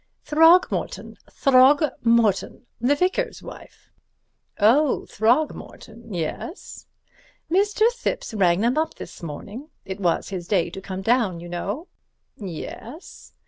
"Throgmorton—Throgmorton—the vicar's wife." "Oh, Throgmorton, yes?" "Mr. Thipps rang them up this morning. It was his day to come down, you know." "Yes?"